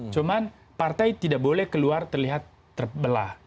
cuman partai tidak boleh keluar terlihat terbelah